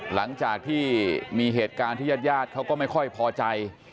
หลังจากที่มีเหตุการณ์ที่ญาติญาติเขาก็ไม่ค่อยพอใจ